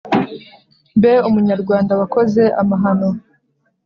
Mbe munyarwanda wakoze amahano